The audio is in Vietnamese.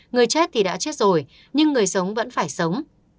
người chết thì đã chết rồi nhưng người sống vẫn phải sống